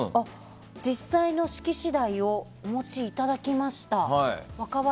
実際の式次第をお持ちいただきました。